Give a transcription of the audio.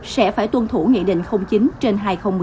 sẽ phải tuân thủ nghị định chín trên hai nghìn một mươi